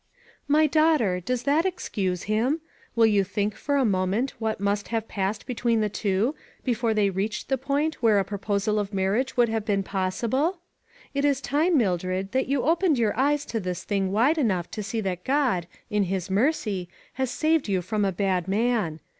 "My daughter, does that excuse him? Will you think for a moment what must have passed between the two, before they reached the point where a proposal of mar riage would have been possible It is time, Mildred, that you opened your eyes to this thing wide enough to see that God, in his^ mercy, has saved you from a bad man.